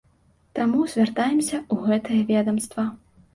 Таму звяртаемся ў гэтае ведамства.